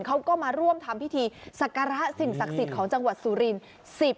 เขาก็มาร่วมทำพิธีสักการะสิ่งศักดิ์สิทธิ์ของจังหวัดสุรินทร์